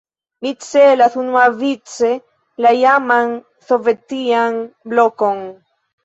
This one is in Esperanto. Mi celas unuavice la iaman sovetian "blokon".